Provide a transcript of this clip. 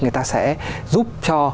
người ta sẽ giúp cho